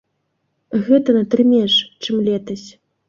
Гэта на тры менш, чым летась.